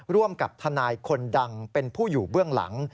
ร่วมกับทนายคนดังเป็นผู้อยู่เบื้องหลัง